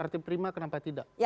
arti prima kenapa tidak